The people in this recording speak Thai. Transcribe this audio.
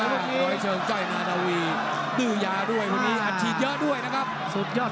โรยเชิงจ้อยนนาวีตู้ยาด้วยคุณนี้อาจฉีดเยอะด้วยนะครับสุดยอด